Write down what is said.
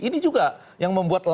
ini juga yang membuat